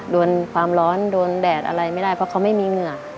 โดนความร้อนโดนแดดอะไรไม่ได้เพราะเขาไม่มีเหงื่อ